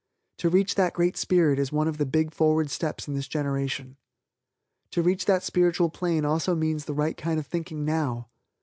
To reach that Great Spirit is one of the big forward steps in this generation. To reach that spiritual plane also means the right kind of thinking now.